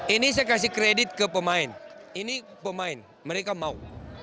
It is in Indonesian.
ini saya kasih kredit ke pemain ini pemain mereka mau